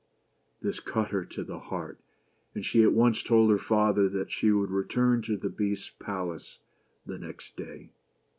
This cut her to the heart, and she at once told her father that she would return to the Beast's palace the next day.